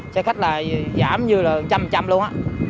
xe khách là giảm như là trăm trăm luôn